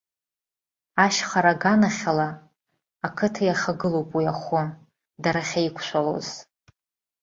Ашьхара аганахьала ақыҭа иахагылоуп уи ахәы, дара ахьеиқәшәалоз.